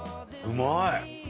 うまい！